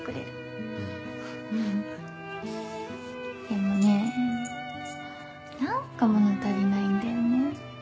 でもね何か物足りないんだよね。